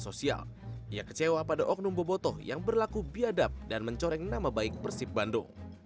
sosial ia kecewa pada oknum bobotoh yang berlaku biadab dan mencoreng nama baik persib bandung